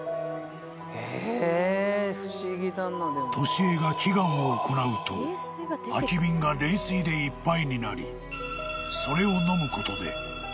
［年恵が祈願を行うと空き瓶が霊水でいっぱいになりそれを］